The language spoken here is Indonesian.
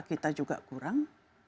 kita juga kurang